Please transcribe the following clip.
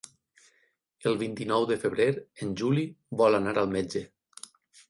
El vint-i-nou de febrer en Juli vol anar al metge.